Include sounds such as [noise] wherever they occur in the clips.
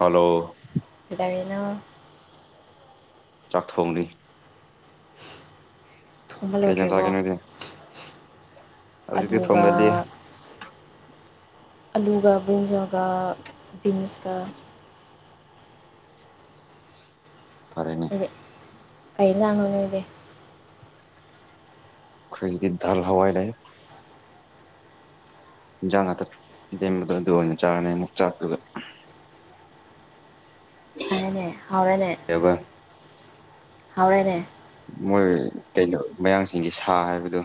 hello ꯏꯔꯤꯅꯣ ꯆꯥꯛꯊꯣꯡꯅꯤ ꯀꯩ ꯌꯦꯟꯖꯥꯡ ꯊꯣꯡꯍꯜꯂꯣꯏꯗ꯭ꯔꯦꯕꯣ ꯆꯥꯒꯦ ꯅꯣꯏꯗꯤ ꯍꯧꯖꯤꯛꯇꯤ ꯑꯗꯨꯒ ꯊꯣꯡꯒꯠꯂꯤ ꯑꯂꯨꯒ ꯕꯨꯖꯣꯒ ꯕꯤꯟꯁ ꯀ ꯐꯔꯦꯅꯤ ꯍꯥꯏꯗꯤ ꯀꯩ ꯇꯥꯉꯣꯅ ꯏꯗꯦ ꯈꯩꯇꯗ ꯙꯜ ꯍꯋꯥꯏꯅꯦ ꯌꯦꯟꯖꯥꯡ ꯉꯥꯛꯇ ꯂꯦꯝꯕꯗꯣ ꯑꯗꯨ ꯑꯣꯏꯅ ꯆꯥꯔꯅꯤ ꯑꯃꯨꯛ ꯆꯥꯛꯄꯒ [unintelligible] [inaudible] ꯍꯅꯦ ꯍꯅꯦ ꯍꯥꯎꯔꯦꯅꯦ ꯃꯣꯏ ꯀꯩꯅꯣ ꯃꯌꯥꯡꯁꯤꯡꯁꯤ ꯁꯥ ꯍꯥꯏꯕꯗꯨꯣ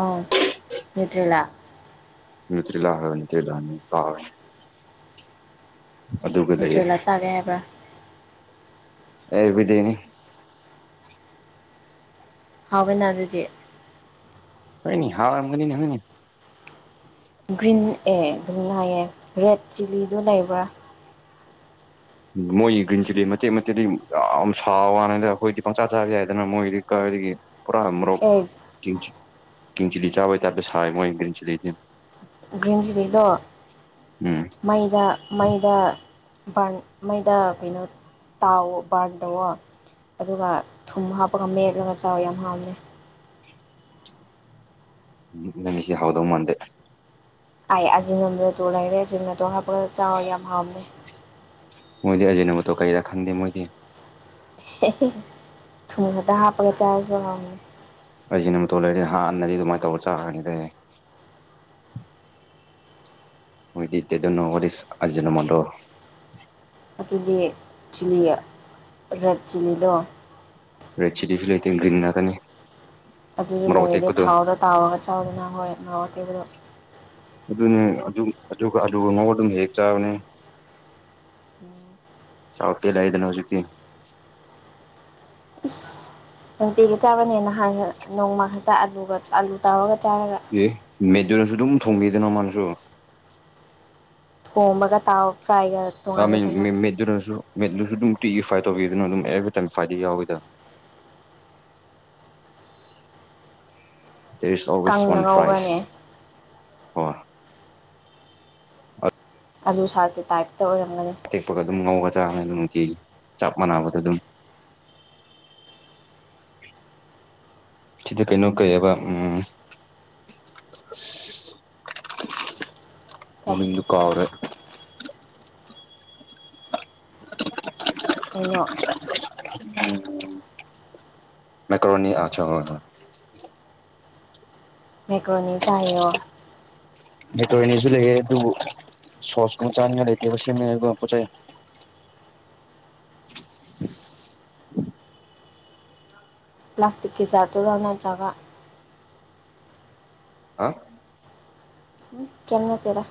ꯑꯥꯎ ꯅꯦꯇ꯭ꯔꯤꯂ ꯃꯤꯇꯔꯤꯂ ꯍꯥꯏꯔꯕꯇ ꯂꯅꯤ ꯀꯥ ꯅꯌꯨꯇ꯭ꯔꯦꯜꯂꯥ ꯆꯥꯒꯦ ꯍꯥꯏꯕ꯭ꯔꯥ ꯑꯦꯕꯤꯗꯤꯅꯤ ꯍꯥꯎꯕ ꯅ ꯑꯗꯨꯗꯤ ꯀꯅꯤ ꯍꯥꯔꯒꯅꯤꯅꯤ ꯒ꯭ꯔꯤꯟ ꯑꯦ ꯑꯗꯨꯝ ꯉꯥꯏꯌꯦ ꯔꯦꯠ ꯆꯤꯂꯤꯗꯨꯣ ꯂꯩꯕ꯭ꯔꯥ ꯎ ꯃꯣꯏꯒꯤ ꯒ꯭ꯔꯤꯟ ꯆꯤꯂꯤ ꯃꯇꯆꯦꯛꯠ ꯃꯇꯦꯛꯗꯤ ꯌꯥꯝ ꯁꯥ ꯋꯥꯅꯤꯗ ꯑꯩꯈꯣꯏꯗꯤ ꯄꯪꯆꯥ ꯆꯥꯕ ꯌꯥꯏꯗꯅ ꯃꯣꯏꯗꯤ ꯑꯣꯏꯗꯒꯤ ꯄꯨꯔꯥ ꯃꯣꯔꯣꯛ ꯑꯦ ꯆꯤꯂꯤ ꯆꯥꯕꯩ ꯇꯥꯕꯦ ꯁꯥꯏ ꯃꯣꯏ ꯒ꯭ꯔꯤ ꯆꯤꯂꯤꯁ ꯒ꯭ꯔꯤꯟ ꯆꯤꯂꯤꯗꯣ ꯃꯩꯗ ꯃꯩꯗ ꯕꯥꯔꯟ ꯃꯩꯗ ꯀꯩꯅꯣ ꯇꯥꯎ ꯕꯥꯔꯟꯗꯋꯣ ꯑꯗꯨꯒ ꯊꯨꯝ ꯍꯥꯞꯄꯒ ꯃꯦꯠꯂꯒ ꯆꯥꯎ ꯌꯥꯝ ꯍꯥꯞꯅꯩ ꯎꯝ ꯅꯪꯃꯤꯁꯤ ꯍꯥꯎꯗꯧ ꯃꯥꯟꯗꯦ ꯑꯩꯥꯏ ꯑꯖꯤꯡꯕꯣꯝꯗ ꯇꯨ ꯂꯩꯔꯦ ꯑꯖꯤꯅ ꯇꯣꯡꯉꯛꯄꯗ ꯆꯥꯎꯔ ꯌꯥꯝ ꯍꯥꯎꯃꯦ ꯃꯣꯏꯗꯤ ꯑꯖꯤꯅꯕꯇꯣ ꯀꯔꯤꯗ ꯈꯪꯗꯦ ꯃꯣꯏꯗꯤ ꯊꯨꯝ ꯈꯛꯇ ꯍꯥꯞꯄꯒ ꯆꯥꯔꯁꯨ ꯍꯥꯎꯅꯤ ꯐ ꯑꯃꯣ ꯂꯩꯔꯗꯤ ꯍꯥꯟꯅꯗꯤ ꯑꯗꯨꯃꯥꯏꯅ ꯇꯧꯔ ꯆꯥꯔꯅꯤꯗ ꯑꯣꯏꯣꯏꯗꯤꯠꯇꯦ ꯑꯗꯨꯅꯣ ꯋꯥꯔꯤ ꯑꯖꯅ ꯃꯗꯣ ꯑꯩꯄꯤꯒꯤ ꯆ ꯔꯦꯠ ꯆꯜꯂꯤꯗ ꯔꯦꯠ ꯁꯤꯗꯤꯁꯤ ꯂꯩꯇ ꯭ꯔꯤꯟ ꯅꯅꯥꯀꯅꯤ ꯑꯗꯨꯗꯤ ꯂꯩꯔꯗꯤ ꯊꯥꯎꯗꯣ ꯇꯥꯎꯔꯒ ꯆꯥꯎꯗꯅ ꯍꯣꯏ ꯉ ꯑꯀꯦꯕꯗꯣ ꯑꯗꯨꯅꯦ ꯑꯗꯨꯝ ꯑꯗꯨ ꯃꯧ ꯑꯗꯨꯝ ꯍꯦꯛ ꯆꯥꯕꯅꯦ ꯎꯝ [unintelligible] ꯆꯥꯎꯥꯎ ꯄ ꯂꯗꯅ ꯍꯧꯖꯤꯛꯛꯇꯤ ꯏꯁꯁ ꯅꯨꯡꯇꯤꯒ ꯆꯥꯕꯅꯦꯅ ꯍꯥꯏ ꯅꯣꯡꯃ ꯍꯛꯇ ꯑꯂꯨ ꯑꯥꯂꯨ ꯇꯧꯔꯒ ꯑꯦ ꯃꯦꯗꯨꯅꯁꯨ ꯑꯗꯨꯝ ꯊꯣꯡꯕꯤꯗꯅ ꯃꯥꯅꯁꯨ ꯍꯣꯕꯒ ꯇꯥꯎ ꯐ꯭ꯔꯥꯏꯒ ꯑ ꯃꯤ ꯇꯣꯡꯉꯥꯜꯂꯦꯗꯅ ꯃꯤ ꯏꯗ꯭ꯔꯁꯨ ꯃꯤꯠꯂꯨꯁꯨ ꯑꯗꯨꯝ ꯇꯤ ꯏꯐꯥꯏ ꯇꯧꯕꯤꯗꯨꯅ ꯑꯗꯨꯝ ꯑꯦꯚ ꯇꯥꯏꯝ ꯐꯥꯏꯗꯤ ꯌꯥꯎꯋꯤꯗ ꯗꯦꯔ ꯏꯁꯖ ꯑꯣꯜꯋꯦꯁ ꯀꯪꯅ ꯋꯥꯟ ꯐ꯭ꯔꯥꯏꯁ ꯉꯧꯕ꯭ꯔꯅꯦ ꯍ ꯑꯗꯨꯂ ꯁꯥꯔꯦ ꯇꯥꯏ ꯇꯦꯛꯄꯒ ꯑꯗꯨꯝ ꯉꯒꯅꯤ ꯅꯨꯡ ꯆꯞ ꯃꯥꯟꯅꯕꯗ ꯑꯗꯨꯝ ꯁꯤꯗꯤ ꯀꯩꯅꯣ ꯀꯩ ꯍꯥꯏꯕ ꯎꯝ ꯑꯦ ꯃꯃꯤꯗꯨ ꯀꯥꯎꯔꯦ [unintelligible] ꯀꯩꯅꯣ ꯃꯀꯅꯤ ꯑꯆꯥ ꯃꯦꯀ꯭ꯔꯣꯅꯤ ꯆꯌꯣ ꯅ ꯇꯅꯤꯁꯨ ꯂꯩ ꯑꯗꯨꯕꯨ ꯁꯣꯁꯀ ꯆꯥꯅꯤꯉ ꯂꯩꯦꯕꯁ ꯄ ꯆꯩ [unintelligible] ꯄ꯭ꯂꯥꯁꯇꯤꯛꯀꯤ ꯖꯥꯔꯠꯇꯨꯗ ꯅꯠꯇ꯭ꯔꯒ ꯍꯥ ꯀꯦꯝ ꯅꯇꯦꯗ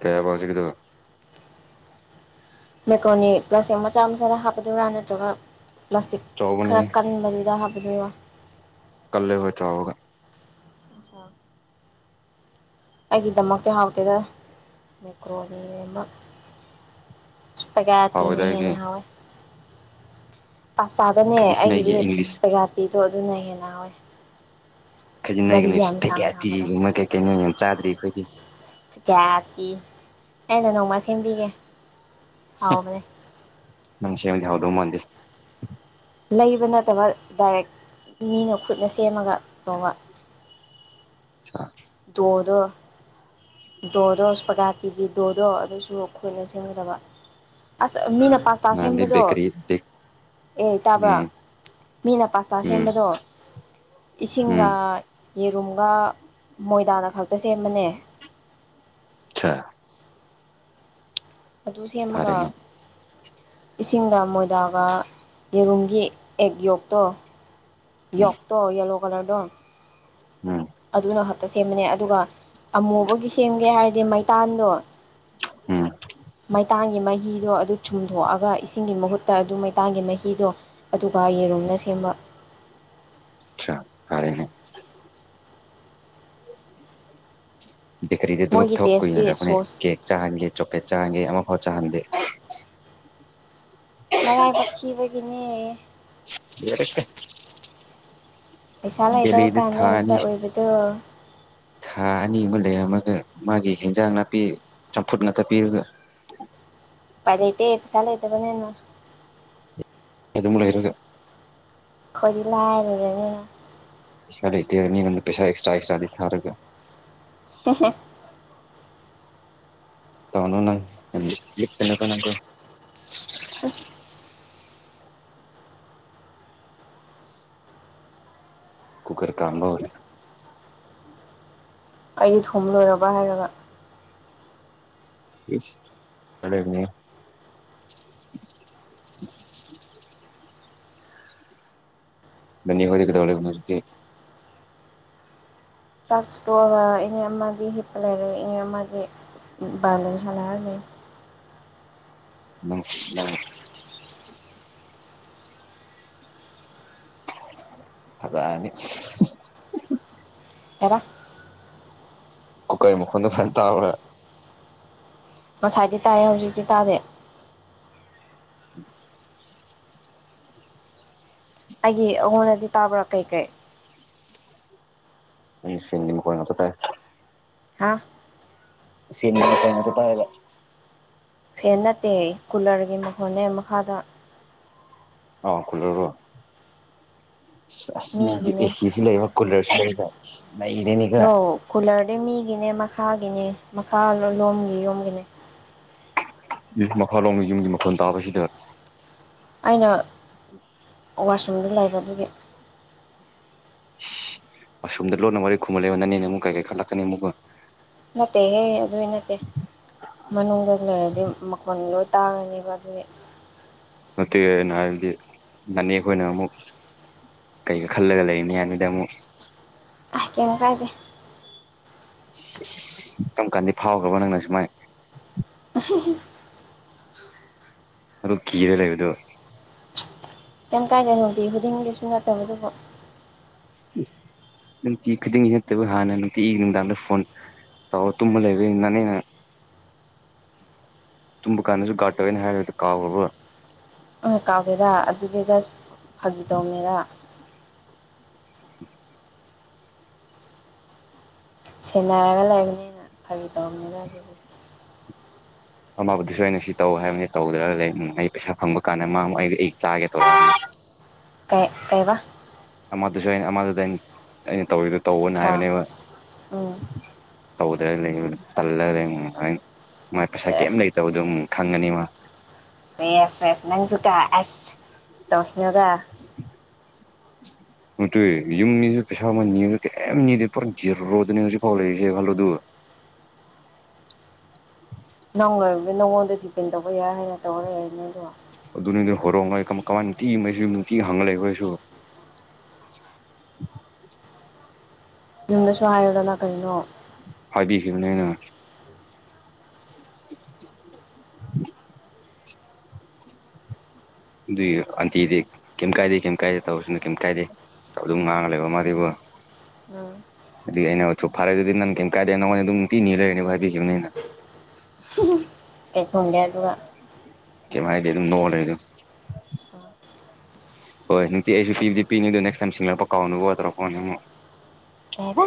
ꯀꯔꯤ ꯍꯥꯌꯕꯥ ꯍꯦꯖꯤꯛꯀꯤ ꯗꯣ ꯃꯦꯀꯣꯅꯤ ꯄ꯭ꯂꯥꯁꯇꯛ ꯃꯆꯥ ꯃꯆꯥꯗ ꯍꯥꯞꯀꯗꯣꯏꯔꯥ ꯅꯠꯇ꯭ꯔꯒ ꯄ꯭ꯂꯥꯁꯇꯤꯛ ꯆꯥꯎꯕꯅꯤ ꯈꯔ ꯀꯟꯕꯗꯨꯗ ꯍꯥꯞꯕꯅꯦꯕ ꯀꯂꯦ ꯍꯣꯏ ꯆꯎꯒ ꯑꯩꯒꯤꯗꯃꯛꯇꯤ ꯍꯥꯎꯇꯦꯗ ꯃꯥꯏꯀ꯭ꯔꯣꯅꯤꯃꯛ ꯍꯥꯎꯋꯦꯗ ꯄꯒꯥꯏꯗꯤꯅꯅ ꯑꯩꯗꯤ ꯍꯦꯟꯅꯥ ꯍꯧꯎꯏ ꯄꯥꯁꯇꯥꯗꯅꯦ ꯈꯗꯤꯁꯅꯩꯒꯤ ꯑꯩꯒꯤꯗꯤ ꯏꯪꯂꯤꯁ ꯏꯁꯄꯦꯌꯥꯇꯤꯗꯣ ꯑꯗꯨꯅ ꯍꯦꯟꯅ ꯍꯦ ꯈꯖꯤꯛ ꯅꯒ ꯐꯦꯒꯤꯔꯤ ꯃꯩ ꯀꯩꯀꯩ ꯅꯣꯏ ꯌꯥꯝ ꯆꯥꯗ꯭ꯔꯤ ꯀꯌꯥꯁꯤ ꯑꯩꯅ ꯅꯣꯡꯃ ꯁꯦꯝꯕꯤꯒꯦ ꯑꯥꯎꯅꯦ ꯍꯗ ꯃꯗ ꯂꯩꯕ ꯅꯠꯇꯕ ꯗꯥꯏꯔꯦꯛ ꯃꯤꯅ ꯈꯨꯠꯅ ꯁꯦꯝꯃꯒ ꯇꯣꯡꯧꯕ ꯗꯣꯗ ꯗꯣꯗꯣ ꯁ ꯄꯒꯥꯥꯇꯤꯒꯤ ꯗꯣꯗꯣ ꯑꯗꯨꯁꯨ ꯑꯩꯈꯣꯏꯅ ꯁꯦꯝꯒꯗꯕ ꯑꯁ ꯃꯤꯅ ꯄꯥꯁꯇꯥ ꯅꯍꯥꯟꯗꯤ ꯁꯦꯝꯕꯗꯣ ꯕꯦꯀꯔꯤ ꯕꯦꯛ ꯑꯦ ꯇꯥꯕ꯭ꯔꯥ ꯎꯝ ꯃꯤꯅ ꯄꯥꯁꯇꯥ ꯎꯝ ꯁꯦꯝꯕꯗꯣ ꯎꯝ ꯏꯁꯤꯡꯒ ꯌꯦꯔꯨꯝꯒ ꯃꯣꯏꯗꯥꯗ ꯈꯛꯇ ꯁꯦꯝꯕꯅꯦ ꯑ ꯑꯗꯨ ꯁꯦꯝꯃꯒ ꯐꯔꯦꯅꯦ ꯏꯁꯤꯡꯗ ꯃꯣꯏꯗꯥꯒ ꯌꯦꯔꯨꯝꯒꯤ ꯑꯦꯛ ꯌꯣꯛꯇꯣ ꯎꯝ ꯌꯣꯛꯇꯣ ꯌꯦꯂꯣ ꯀꯂꯔꯗꯣ ꯎꯝ ꯑꯗꯨꯅ ꯍꯛꯇ ꯁꯦꯝꯕꯅꯦ ꯑꯗꯨꯒ ꯑꯃꯨꯕꯒꯤ ꯁꯦꯝꯒꯦ ꯍꯥꯏꯔꯗꯤ ꯃꯩꯇꯥꯟꯗꯣ ꯎꯝ ꯃꯩꯇꯥꯟꯒꯤ ꯃꯍꯤꯗꯣ ꯑꯗꯨ ꯆꯨꯝꯊꯣꯛꯑꯒ ꯏꯁꯤꯡꯒꯤ ꯃꯍꯨꯠꯇ ꯑꯗꯨ ꯃꯩꯇꯥꯟꯒꯤ ꯃꯍꯤꯗꯣ ꯑꯗꯨꯒ ꯌꯦꯔꯨꯝꯝꯅ ꯁꯦꯝꯕ ꯀꯥꯔꯦꯅꯦ ꯕꯦꯀꯔꯤꯗ ꯑꯗꯨ ꯃꯣꯏꯒꯤ ꯊꯣꯛ ꯀꯨꯏꯅ ꯇꯦꯁꯇꯤ ꯑꯩꯈꯅ ꯁꯣꯁ ꯀꯦꯛ ꯆꯥꯡꯒꯦ ꯆꯣꯀ꯭ꯂꯦꯠ ꯆꯥꯡꯒꯦ ꯑꯃ ꯐꯥꯎ ꯆꯥꯟꯗꯦ ꯅꯔꯥꯏꯕꯛ ꯊꯤꯕꯒꯤꯅꯦ ꯌꯦꯔꯛꯇ ꯄꯩꯁꯥ ꯂꯩꯇꯕ ꯗꯤ ꯀꯥꯟꯗ ꯍꯦꯛꯇ ꯊꯥꯅꯤ ꯑꯣꯏꯕꯗꯣ ꯊꯅꯤ ꯀꯩ ꯑꯃꯒ ꯃꯥꯒꯤ ꯍꯦꯟꯖꯥꯡ ꯅꯥꯄꯤ ꯆꯝꯐꯨꯠ ꯉꯥꯛꯇ ꯄꯤꯔꯒ ꯄꯔꯦꯇꯦ ꯆꯂꯇꯕꯅꯦꯅ ꯑꯗꯨ ꯃꯂ ꯏꯒ ꯈꯣꯏꯖꯤ ꯂꯥꯏꯔꯒꯅꯤ ꯄꯩꯁꯥ ꯂꯩꯇꯦ ꯄꯩꯁꯥ ꯑꯦꯛꯁꯇ꯭ꯔꯥ ꯑꯦꯛꯁꯇ꯭ꯔꯥ ꯂꯦꯔꯒ ꯍ ꯇꯧꯅꯣ ꯅꯪꯅꯀ ꯅꯪ ꯀꯨꯀꯔ ꯀꯥꯟꯝꯕ ꯑꯣꯏꯔ ꯑꯩꯗꯤ ꯊꯨꯝ ꯂꯣꯏꯔꯕ ꯍꯥꯏꯔꯒ ꯀꯦꯅꯦ [unintelligible] ꯙꯅꯤꯌꯋꯥꯗ ꯀꯗꯧꯒ ꯃꯇ ꯇ ꯏꯅꯦ ꯑꯃꯖꯤ ꯍꯤꯞꯄꯂꯔ ꯏꯟ ꯑꯃꯖꯤ ꯕꯥꯅꯅꯤꯁꯂ ꯍꯥꯏꯅꯤ [unintelligible] ꯐꯅꯤ ꯑꯦꯔ ꯀꯨꯀꯥꯏ ꯃꯈ ꯐꯣꯟ ꯐꯅ ꯇꯔ ꯉꯁꯥꯏꯗꯤ ꯇꯥꯏꯌꯦ ꯍꯧꯖꯤꯛꯇꯤ ꯇꯥꯗꯦ ꯎꯝ ꯑꯩꯒꯤ ꯑꯩꯉꯣꯟꯗꯗꯤ ꯇꯥꯕ꯭ꯔꯥ ꯀꯩꯀꯩ ꯁꯦꯡꯗꯅ ꯀꯣꯔꯣꯏꯅꯠꯇ ꯇꯥꯏ ꯍꯥ ꯁꯤꯅꯤ ꯇꯅ ꯇ ꯇꯑꯒ ꯐꯦꯟ ꯅꯠꯇꯦ ꯑꯩ ꯀꯨꯂꯔꯒꯤ ꯃꯈꯣꯟꯅꯦ ꯃꯈꯥꯗ ꯑ ꯀꯨꯂꯔꯣ ꯑ ꯃꯤ ꯃꯤꯒꯤꯅꯦ ꯑꯦꯁꯤꯁꯨ ꯂꯩꯕ ꯀꯨꯂꯔꯁꯨ ꯂꯩꯕ ꯅꯩꯔꯦꯅꯦꯀꯣ ꯅ ꯀꯨꯂꯔꯗꯤ ꯃꯤꯒꯤꯅꯦ ꯃꯈꯥꯒꯤꯅꯦ ꯃꯈꯥ ꯂꯣꯝꯒꯤ ꯂꯣꯝꯒꯤꯅꯦ ꯌ ꯃꯈꯥꯂꯣꯝꯒꯤ ꯌꯨꯝꯒꯤ ꯃꯈꯣꯟ ꯇꯥꯕꯁꯤꯗ ꯑꯩꯅ ꯋꯥꯁꯔꯨꯝꯗ ꯂꯩꯕꯕꯒꯤ ꯑꯁꯣꯨꯝꯗ ꯂꯣꯟꯅ ꯋꯥꯔꯤ ꯈꯨꯝꯍꯜꯂꯕ ꯅꯅꯤꯅ ꯑꯃꯨꯛ ꯀꯩꯀꯩ ꯈꯠꯂꯛꯀꯅꯤ ꯑꯃꯨꯛ ꯅꯠꯇꯦꯍꯦ ꯑꯗꯨꯏ ꯅꯠꯇꯦ ꯃꯅꯨꯡꯗ ꯂꯩꯔꯗꯤ ꯃꯈꯣꯟꯗꯣ ꯇꯥꯔꯅꯤꯕ ꯑꯗꯨ ꯅꯠꯇꯦꯅꯣ ꯍꯥꯏꯕꯗꯤ ꯅꯅꯦꯦꯛ ꯑꯩꯈꯣꯏꯅ ꯑꯃꯨꯛ ꯀꯩ ꯈꯜꯂꯒ ꯂꯩꯔꯤꯅꯤ ꯌꯥꯅꯤꯗ ꯑꯃꯨꯛ ꯑ ꯀꯦꯅ ꯀꯥꯏꯗ ꯀꯔꯝ ꯀꯥꯟꯗꯤ ꯐꯥꯎꯈ꯭ꯔꯕꯣ ꯅꯪꯅ ꯁꯨꯃꯥꯏꯅ [inaudible] ꯑꯗꯨꯜꯂꯣ ꯀꯤꯔꯦ ꯂꯩꯕꯗꯣ ꯀꯩꯝ ꯀꯥꯏꯗꯦꯅꯣꯗꯤ ꯍꯨꯗꯤꯡꯒꯤꯁꯨ ꯉꯥꯛꯇꯕ ꯑꯗꯨꯕꯨ ꯅꯨꯡꯇꯤ ꯈꯨꯗꯤꯡꯒꯤ ꯅꯠꯇꯕ ꯍꯥꯟꯅ ꯅꯨꯡꯇꯤꯒꯤ ꯅꯨꯡꯗꯥꯡꯗ ꯐꯣꯟ ꯇꯥꯎ ꯇꯨꯝꯕ ꯂꯩꯕ ꯅꯅꯦ ꯇꯨꯝꯕ ꯀꯥꯟꯗꯁꯨ ꯥꯠꯇꯋꯦꯅ ꯍꯥꯏꯔꯗ ꯀꯥꯎꯕ ꯑ ꯀꯥꯎꯗꯦꯗ ꯑꯗꯨꯗꯤ ꯖꯁ ꯐꯥꯒꯤ ꯇꯧꯅꯤꯗ ꯁꯦꯟꯅꯔꯒ ꯂꯩꯕꯅꯤꯅ ꯐꯔꯤ ꯇꯧꯔꯝꯅꯤꯅ ꯑꯗꯨ ꯑꯃꯃꯥꯕꯨꯗꯨꯁꯨ ꯑꯩꯅ ꯁꯤ ꯇꯧ ꯍꯥꯏꯕꯅꯤ ꯇꯧꯗ꯭ꯔꯒ ꯂꯩ ꯑꯩ ꯄꯩꯁꯥ ꯐꯪꯕ ꯀꯥꯟꯗ ꯃꯥ ꯑꯩ ꯑꯩ ꯆꯥꯒꯦ ꯇꯧꯕ [inaudible] ꯀꯩ ꯀꯩ ꯕ ꯑꯃꯗꯨꯁꯨ ꯑꯩꯅ ꯑꯃꯗꯨꯗ ꯑꯩꯅ ꯑꯩꯅ ꯇꯧꯗꯣ ꯇꯧꯕꯅ ꯑꯠꯆꯥ ꯍꯥꯏꯕꯅꯦꯕ ꯎꯝ ꯇꯧꯗꯒ ꯂꯩ ꯇꯜꯂꯒ ꯂꯩ ꯍ ꯃꯥꯥꯏ ꯄꯩꯁꯥ ꯀꯩꯝ ꯁꯦꯁ ꯂꯩꯇꯕꯗꯣꯝ ꯈꯪꯒꯅꯤ ꯃꯥ ꯌꯦꯁ ꯌꯦꯁ ꯅꯟꯁꯨ ꯀꯥꯁ ꯇꯣꯁꯅꯨꯗ ꯎ [unintelligible] ꯑꯗꯨ ꯇꯨꯦ ꯌꯨꯝꯅꯤꯁꯨ ꯄꯩꯁꯥ ꯑꯃ ꯅꯤꯁꯨ ꯀꯩꯝ ꯅꯤꯗꯦ ꯄꯨꯔꯥ ꯖꯤꯔꯔꯣꯗꯅꯦ ꯍꯧꯖꯤꯛ ꯐꯥꯎꯔꯛꯏꯁꯦ ꯈꯜꯂꯨ ꯑꯗꯨ [inaudible] ꯅꯪ ꯅꯪꯉꯣꯟꯗ ꯗꯤꯄꯦꯟ ꯇꯧꯕ ꯌꯥꯏ ꯍꯥꯏꯅ ꯇꯧꯔ ꯌꯥꯏ ꯅꯣꯏꯗꯣ ꯑꯗꯨꯅꯤꯗꯤ ꯍꯣꯔꯣꯡꯉꯩ ꯀꯃꯥꯏꯅ ꯅꯨꯡꯇꯤꯉꯩꯁꯨ ꯅꯨꯡꯇꯤ ꯍꯪꯂꯒ ꯂꯩꯕ꯭ꯔ ꯏꯁꯨ [inaudible] ꯅ ꯁꯥꯏꯅ ꯀꯔꯤꯅꯣ ꯍꯥꯏꯕꯤꯈꯤꯕꯅꯦ ꯑꯩꯅ [inaudible] ꯑꯗꯨꯏ ꯑꯟꯇꯤꯗꯤ ꯀꯩꯝ ꯀꯥꯏꯗꯦ ꯀꯩꯝ ꯀꯥꯏꯗꯦ ꯇꯧꯔꯁꯤꯅ ꯀꯩꯝ ꯀꯥꯏꯗꯦ ꯑꯗꯨꯝ ꯉꯥꯡꯉꯂꯩꯕ ꯃꯥꯗꯤꯀꯣ ꯎꯝ [inaudible] ꯑꯗꯨ ꯑꯩꯅꯁꯨ ꯐꯥꯔꯦꯗꯨꯗꯤ ꯅꯪ ꯀꯩꯝ ꯀꯥꯏꯗꯦ ꯅꯪꯉꯣꯟꯗ ꯑꯗꯨꯝ ꯅꯨꯡꯇꯤ ꯅꯤ ꯂꯩꯔꯅꯤ ꯍꯥꯏꯕꯤꯈꯤꯕꯅꯤ ꯑꯩꯅ ꯎꯝ [unintelligible] ꯊꯣꯡꯗꯦ ꯑꯗꯨꯒ ꯀꯩꯝ ꯍꯥꯏꯗꯦ ꯑꯗꯨꯝ ꯅꯣꯛ ꯑ ꯂꯩꯏꯔꯗ ꯑ ꯍꯣꯏ ꯅꯨꯡꯇꯤ ꯑꯩꯁꯨ ꯄꯤꯕꯗꯤ ꯄꯤꯅꯤꯗꯣ ꯅꯦꯛꯁ ꯇꯥꯏꯝ ꯁꯤꯡꯂꯛꯄ ꯀꯥꯎꯅꯕ ꯈꯣꯠꯇꯔꯥꯣꯅ ꯑꯃꯨꯛ ꯀꯩꯕ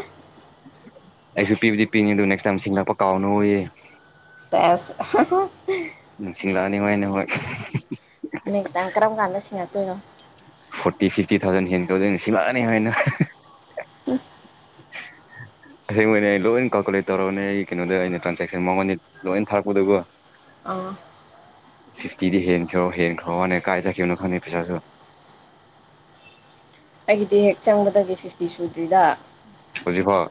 ꯑꯩꯁꯨ ꯄꯤꯕꯨꯗꯤ ꯄꯤꯅꯤ ꯑꯗꯨ ꯅꯦꯛꯁ ꯇꯥꯏꯝ ꯁꯤꯡꯂꯛꯄ ꯀꯥꯎꯅꯨꯌꯦ ꯁꯦꯁ ꯅꯤꯡꯁꯤꯡꯂꯛꯑꯅꯤ ꯃꯥꯏ ꯅꯝꯛ ꯅꯦꯛꯁ ꯇꯥꯏꯝ ꯀꯔꯝ ꯀꯥꯟꯗ ꯁꯤꯅꯔꯛꯇꯣꯏꯅꯣ ꯐꯣꯔꯇꯤ ꯐꯤꯐꯇꯤ ꯊꯥꯎꯖꯟ ꯍꯦꯟ ꯇꯧꯗꯣꯏꯅ ꯁꯤꯂꯥꯛꯑꯅꯤ ꯍꯥꯏꯅ ꯇꯁꯦꯡꯕꯅꯤ ꯑꯩ ꯂꯣꯏ ꯀꯥꯜꯀꯨꯂꯦꯠ ꯇꯧꯔꯅꯦ ꯑꯩꯒꯤ ꯀꯩꯅꯣꯗ ꯑꯩꯅ ꯇ꯭ꯔꯥꯟꯁꯦꯛꯁꯟ ꯃꯉꯣꯟꯗꯤ ꯂꯣꯏ ꯊꯥꯛꯛꯄꯗꯨꯀꯣ ꯑ ꯐꯤꯐꯇꯤꯗꯤ ꯍꯦꯟꯈ꯭ꯔꯣ ꯍꯦꯟꯈ꯭ꯔꯣ ꯋꯥꯅꯦ ꯀꯥꯏꯖꯈꯤꯕꯅꯣ ꯈꯪꯗꯦ ꯄꯩꯁꯥꯁꯨ ꯑꯩꯒꯤꯗꯤ ꯍꯦꯛ ꯆꯪꯕꯗ ꯐꯤꯐꯇꯤ ꯁꯨꯗ꯭ꯔꯤꯗ ꯍꯧꯖꯤꯛꯐꯥꯎ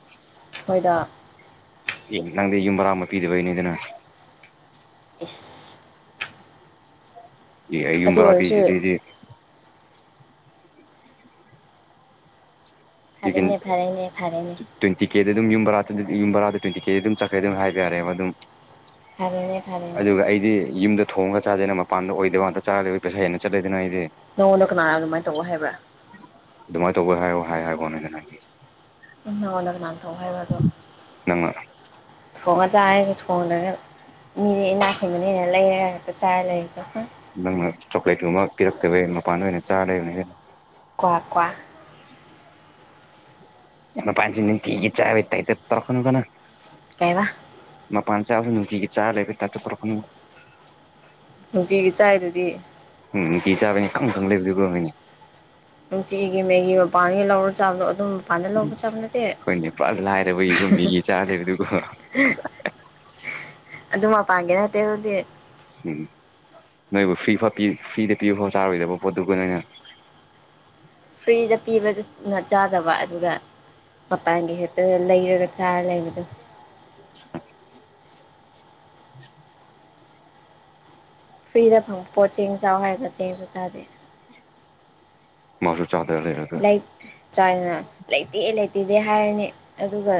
ꯑꯩꯈꯣꯏꯗ ꯅꯪꯗꯤ ꯌꯨꯝ ꯕꯔꯥ ꯑꯃ ꯄꯤꯗꯕꯩꯅꯤꯗꯅ [unintelligible] [inaudible] ꯑꯦ ꯑꯩ ꯑꯗꯨ ꯌꯨꯝꯕꯔꯥ ꯑꯣꯏꯔꯁꯨ ꯄꯤꯁꯤꯗꯤ ꯑꯩꯗꯤ ꯐꯔꯦꯅꯦ ꯐꯔꯦꯅꯦ ꯐꯔꯦꯅꯦ ꯇ꯭ꯋꯦꯟꯇꯤ ꯀꯦꯗ ꯑꯗꯨꯝ ꯌꯨꯝꯕꯔ ꯑꯗꯨꯗꯤ ꯌꯨꯝ ꯕꯥꯗꯗꯤ ꯇ꯭ꯋꯦꯟꯇꯤ ꯀꯦꯗꯤ ꯑꯗꯨꯝ ꯆꯈ꯭ꯔꯦ ꯑꯗꯨꯝ ꯍꯥꯏꯕ ꯌꯥꯔꯦꯕ ꯑꯗꯨꯝ ꯐꯔꯦꯅꯦ ꯐꯔꯦꯅꯦ ꯑꯗꯨ ꯑꯩꯗꯤ ꯌꯨꯝꯗ ꯊꯣꯡꯒ ꯆꯥꯗꯦꯅ ꯃꯄꯥꯟꯗ ꯑꯣꯏꯗ ꯋꯥꯗ ꯆꯥꯔꯗꯦꯣꯏ ꯄꯩꯁ ꯍꯦꯟꯅ ꯆꯠꯂꯦꯗꯅ ꯑꯩꯗꯤ ꯅꯉꯣꯟꯗ ꯀꯅꯥꯅꯣ ꯑꯗꯨꯃꯥꯏꯅ ꯇꯧꯕ ꯍꯥꯏꯕ꯭ꯔꯥ ꯑꯗꯨꯃꯥꯏꯅ ꯇꯧꯕ ꯍꯥꯌꯣ ꯍꯥꯏ ꯍꯥꯏꯕꯋꯥꯅꯤ ꯎꯝ ꯍꯅ ꯅꯥꯟ ꯅꯩꯅ [inaudible] ꯊꯣꯡꯉꯒ ꯆ ꯍꯥꯏꯁꯨꯦ ꯊꯣꯡꯗꯅ ꯃꯤꯗꯤ ꯏꯅꯥꯛꯊꯟꯕꯅꯤꯅ ꯂꯩꯔꯦꯛꯇ ꯆꯥꯏꯔꯦ ꯂꯩꯔ ꯅꯪꯅ ꯆꯣꯀ꯭ꯂꯦꯠꯀꯨꯝꯕ ꯄꯤꯔꯛꯇꯕꯩ ꯃꯄꯥꯟꯗ ꯑꯣꯏꯅ ꯆꯥꯔ ꯂꯩꯕꯅꯤ ꯇꯣꯡ ꯀꯋꯥ [unintelligible] [inaudible] ꯌꯥꯝꯅꯣ ꯄ [unintelligible] ꯆꯥꯕꯩ ꯇꯥꯏꯞꯇ ꯇꯧꯔꯛꯅꯨ ꯀꯣꯅꯪ ꯀꯩꯕꯥ ꯄꯥꯟ ꯆꯥꯕꯕꯨ ꯅꯨꯡꯇꯤꯒꯤ ꯆꯥ ꯂꯩꯕ ꯇ ꯇꯔꯛꯀꯅꯨ ꯅꯨꯡꯇꯤꯒꯤ ꯆꯥꯏꯗꯨꯗꯤ ꯎꯝ ꯅꯨꯡꯇꯤ ꯆꯥꯕꯅꯤ ꯏꯀꯪ ꯀꯪꯉꯥ ꯂꯩꯕꯗꯣꯀꯣ [unintelligible] ꯅꯨꯡꯇꯤꯒꯤ ꯃꯦꯒꯤ ꯃꯄꯥꯟꯒꯤ ꯂꯧꯔ ꯆꯥꯕꯗꯣ ꯑꯗꯨꯝ ꯃꯄꯥꯟꯗ ꯎ ꯂꯧꯕ ꯆꯥꯕ ꯅꯠꯇꯦ ꯑꯩꯈꯣꯏ ꯅꯦꯄꯥꯜ ꯂꯥꯏꯔꯕꯒꯤꯒꯨꯝ ꯃꯤꯒꯤ ꯆꯥꯗꯕꯗꯨꯀꯣ [unintelligible] [inaudible] ꯑꯗꯨ ꯃꯄꯥꯟꯒꯦ ꯅꯠꯇꯦ ꯑꯗꯨꯗꯤ ꯎꯝ ꯅꯣꯏꯕꯨ ꯐ꯭ꯔꯤ ꯐ ꯐ꯭ꯔꯤꯗ ꯄꯤꯕ ꯐꯥꯎ ꯆꯥꯔꯣꯏꯗꯕ ꯄꯣꯠꯇꯨꯒ ꯅꯣꯏꯅ ꯐ꯭ꯔꯤꯗ ꯄꯤꯕꯗꯨꯅ ꯆꯥꯗꯕ ꯑꯗꯨꯒ ꯃꯄꯥꯟꯒꯤ ꯍꯦꯛꯇ ꯂꯩꯔꯒ ꯆꯥꯔ ꯂꯩꯕꯗ [unintelligible] [inaudible] ꯐ꯭ꯔꯤꯗ ꯐꯪꯕꯄꯣ ꯆꯦꯡ ꯆꯥꯎ ꯍꯥꯏꯔꯒ ꯆꯦꯡꯁꯨ ꯆꯥꯗꯦ ꯃꯥꯁꯨꯨ ꯆꯥꯗ ꯂꯩꯔꯦ ꯂꯩ ꯆꯥꯏꯅ ꯂꯩꯇꯦ ꯂꯩꯇꯦꯗꯦ ꯍꯥꯏꯔꯅꯤ ꯑꯗꯨꯒ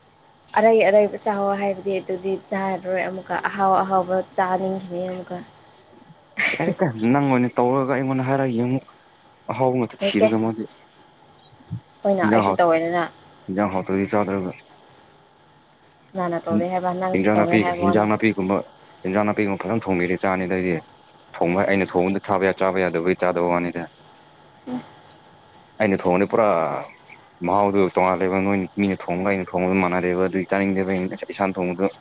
ꯎ [inaudible] ꯑꯔꯩ ꯑꯔꯩꯕ ꯆꯥꯑꯣ ꯍꯥꯏꯕꯗꯤ ꯑꯗꯨꯗꯤ ꯆꯥꯔꯔꯣꯏ ꯑꯃꯨꯛꯀ ꯑꯍꯥꯎ ꯑꯍꯥꯎꯕ ꯆꯥꯅꯤꯡꯈꯤꯕꯅꯤ ꯑꯃꯨꯛꯀ ꯑꯦ ꯀ ꯅꯪ ꯑꯣꯏꯅ ꯇꯧꯔꯒ ꯑꯩꯉꯣꯟꯗ ꯍꯥꯏꯔꯛꯒ ꯌꯦꯡꯉꯨꯛ ꯍꯥꯎ ꯃ ꯍꯦ ꯀꯦ ꯊꯤꯔꯒ ꯃꯗꯤ ꯑꯩꯈꯣꯏꯅ ꯌꯥ ꯑꯩꯁꯨ ꯇꯧꯋꯦꯗꯅ ꯍꯤꯟꯖꯥꯡ ꯍꯥꯎꯇ꯭ꯔꯗꯤ ꯆꯗ꯭ꯔꯒ ꯀꯅꯥꯅ ꯇꯧꯗꯦ ꯍꯥꯏꯕ ꯅꯪꯁꯨ ꯍꯤꯟꯖꯥꯡ ꯇꯧꯋꯦ ꯅꯥꯄꯤꯒꯨꯝꯕ ꯍꯥꯏꯕ ꯍꯤꯟꯖꯥꯡ ꯋꯥꯅꯤ ꯅꯥꯄꯤꯒꯨꯝꯕ ꯍꯤꯟꯖꯥꯡ ꯅꯥꯄꯤꯒꯨꯝꯕ ꯐꯔꯝ ꯊꯣꯡꯕꯤꯗꯤ ꯆꯥꯅꯤꯗꯩꯗꯤ ꯊꯣꯡꯕ ꯑꯩꯅ ꯁꯦꯁ ꯊꯣꯡꯕꯗ ꯊꯥꯕ ꯆꯥꯕ ꯌꯥꯗꯕꯒꯤ ꯆꯥꯗꯕ ꯋꯥꯅꯤꯗ ꯑꯩꯅ ꯊꯣꯡꯅꯤ ꯄꯨꯔꯥ ꯃꯍꯥꯎꯗꯣ ꯇꯣꯉꯥꯜꯂꯦꯕ ꯅꯣꯏ ꯃꯤꯅ ꯊꯣꯡꯕꯒ ꯑꯩꯅ ꯊꯣꯡꯕꯗ ꯃꯥꯟꯅꯗꯦꯕ ꯑꯗꯨ ꯆꯥꯅꯤꯡꯗꯦꯕ ꯑꯩꯅ ꯏꯁꯥꯅ ꯊꯣꯡꯕꯗꯣ [inaudible] [unintelligible]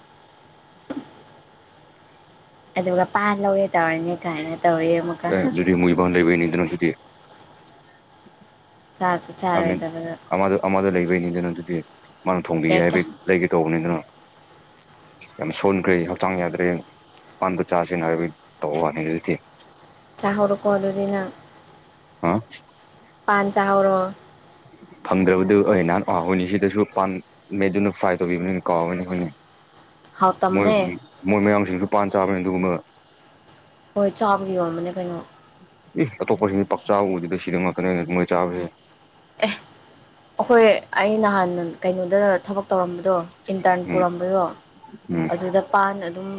ꯑ ꯄꯥꯟꯔ ꯂꯧꯒꯦ ꯇꯅꯦ ꯀꯥꯏꯅ [unintelligible] ꯑꯃꯨꯛꯀ ꯑꯦ ꯑꯗꯨꯗꯤ ꯃꯣꯏ ꯏꯕꯥꯟ ꯂꯩꯕꯩꯅꯤ ꯑꯗꯨꯅ ꯑꯗꯨꯗꯤ ꯆꯥꯁꯨ ꯆꯥꯔꯣꯏꯗꯕꯗ ꯑꯃꯗ ꯑꯃꯗ ꯂꯩꯕꯩꯅꯤ ꯀꯩꯅꯣ ꯑꯗꯨꯗꯤ ꯃꯥꯅ ꯊꯣꯡꯕꯤꯒꯦ ꯌꯥꯏ ꯀꯦ ꯍꯥꯏꯕꯒꯤ ꯂꯩꯒꯦ ꯇꯧꯕꯅꯤ ꯑꯗꯨꯅ ꯌꯥꯝ ꯁꯣꯟꯈ꯭ꯔꯦ ꯍꯛꯆꯥꯡ ꯌꯥꯗ꯭ꯔꯦ ꯄꯥꯟꯗꯣ ꯆꯥꯁꯤꯅ ꯍꯥꯏꯕꯩ ꯇꯧꯕ ꯋꯥꯅꯤ ꯑꯗꯨꯗꯤ ꯆꯥꯍꯧꯔꯣꯀꯣ ꯑꯗꯨꯗꯤ ꯅꯪ ꯍꯥ ꯄꯥꯟꯖꯥꯔꯣ ꯐꯪꯗ꯭ꯔꯕꯗꯨ ꯑꯣꯏ ꯅꯍꯥꯟ ꯍꯣꯏꯅꯦ ꯁꯤꯗꯁꯨ ꯄꯥꯝꯃꯦ ꯗꯨꯅ ꯐ꯭ꯔꯥꯏ ꯇꯧꯕꯤꯕꯅꯤꯅ ꯀꯥꯎꯒꯅꯤ ꯍꯣꯏꯅꯦ ꯃꯣꯏ ꯍꯥꯎꯇꯝꯅꯦ ꯃꯣꯏ ꯃꯌꯥꯡꯁꯤꯡꯁꯨ ꯄꯥꯟ ꯆꯥꯕꯅꯤ ꯑꯗꯨꯒꯨꯝꯕ ꯍꯣꯏ ꯆꯥꯕꯒꯤ ꯑꯣꯏꯔꯝꯕꯅꯦ ꯀꯩꯅꯣ ꯑꯦ ꯑꯇꯣꯞꯄ ꯁꯤ ꯄꯥꯛ ꯆꯥꯗ ꯁꯤꯗ ꯉꯛꯇꯅꯦ ꯃꯣꯏ ꯆꯥꯕꯁꯦ ꯑꯦ ꯑꯩꯈꯣꯏ ꯑꯩ ꯅꯍꯥꯟ ꯀꯩꯅꯣꯗ ꯊꯕꯛ ꯇꯧꯔꯝꯕ ꯑꯗꯣ ꯏꯟꯇꯔꯟ ꯎꯝ ꯄꯨꯔꯝꯕꯗꯣ ꯎꯝ ꯑꯗꯨꯗ ꯄꯥꯟ ꯑꯗꯨꯝ